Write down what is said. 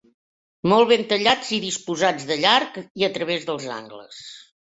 Molt ben tallats i disposats de llarg i a través dels angles.